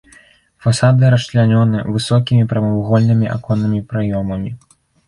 Фасады расчлянёны высокімі прамавугольнымі аконнымі праёмамі.